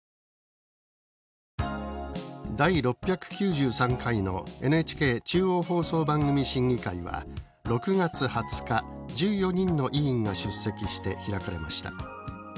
第６９３回のＮＨＫ中央放送番組審議会は６月２０日１４人の委員が出席して開かれました。